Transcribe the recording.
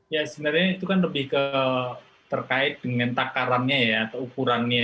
ya sebenarnya itu kan lebih ke terkait dengan takarannya ya atau ukurannya